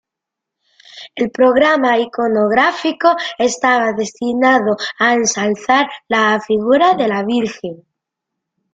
El programa iconográfico estaba destinado a ensalzar la figura de la Virgen.